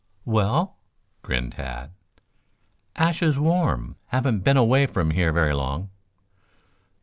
"Well?" grinned Tad. "Ashes warm. Haven't been away from here very long."